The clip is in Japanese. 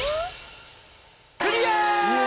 クリア！